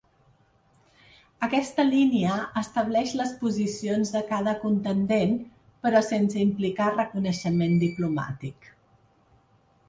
Aquesta línia estableix les posicions de cada contendent, però sense implicar reconeixement diplomàtic.